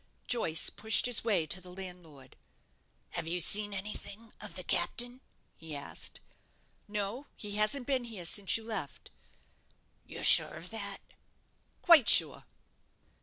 Joyce pushed his way to the landlord. "Have you seen anything of the captain?" he asked. "No, he hasn't been here since you left." "You're sure of that?" "Quite sure."